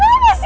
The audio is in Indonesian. kenapa sih me